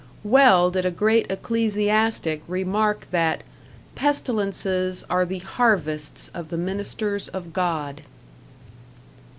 Well did a great ecclesiastic remark that "pestilences are the harvests of the ministers of God."